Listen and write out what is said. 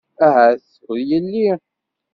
Ahat ur yelli.